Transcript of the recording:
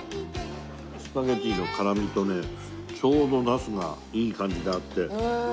スパゲティの辛みとねちょうどなすがいい感じで合って。